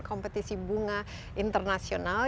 kompetisi bunga internasional